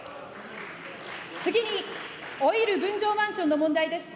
次に、老いる分譲マンションの問題です。